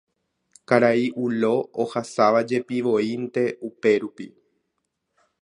Karai Ulo ohasavajepivoínte upérupi.